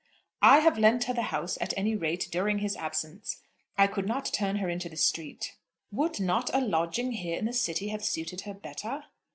"I have lent her the house, at any rate, during his absence. I could not turn her into the street." "Would not a lodging here in the city have suited her better?"